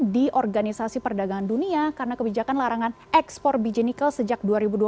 di organisasi perdagangan dunia karena kebijakan larangan ekspor biji nikel sejak dua ribu dua puluh